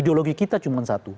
ideologi kita cuma satu